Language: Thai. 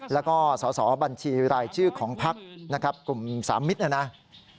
แล้วก็ส่อบัญชีรายชื่อของพักธุ์กลุ่ม๓มิตรนะครับ